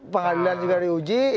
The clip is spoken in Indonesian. pengadilan juga diuji